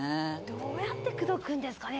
どうやって口説くんですかね。